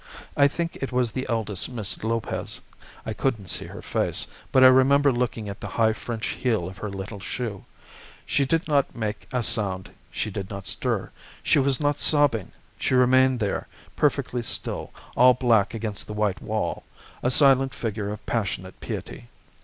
I think it was the eldest Miss Lopez; I couldn't see her face, but I remember looking at the high French heel of her little shoe. She did not make a sound, she did not stir, she was not sobbing; she remained there, perfectly still, all black against the white wall, a silent figure of passionate piety.